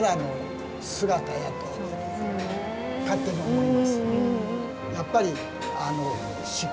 勝手に思います。